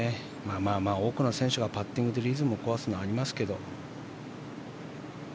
まあ、多くの選手がパッティングでリズムを壊すってありますけど。